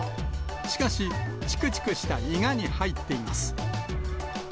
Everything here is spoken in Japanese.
しかし、ちくちくしたイガに入っています。